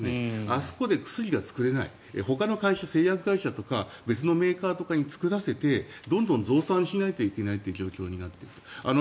あそこで薬が作れないほかの製薬会社とか別のメーカーとかに作らせてどんどん増産しないといけない状況になった。